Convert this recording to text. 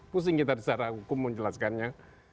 pusing kita secara hukum menjelaskannya